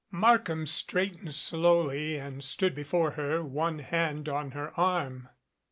Markham straightened slowly and stood before her, one hand on her arm.